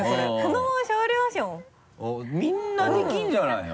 みんなできるんじゃないの？